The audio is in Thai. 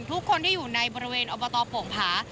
ทุกคนที่อยู่ในบริเวณอบตโป่งผา